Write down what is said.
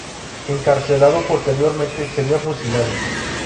Encarcelado, posteriormente sería fusilado.